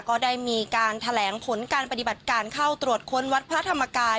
ก็ได้มีการแถลงผลการปฏิบัติการเข้าตรวจค้นวัดพระธรรมกาย